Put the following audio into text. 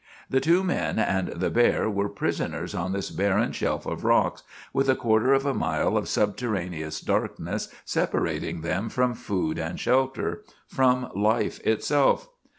The two men and the bear were prisoners on this barren shelf of rocks, with a quarter of a mile of subterraneous darkness separating them from food and shelter from life itself.